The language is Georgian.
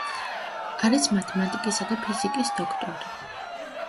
არის მათემატიკისა და ფიზიკის დოქტორი.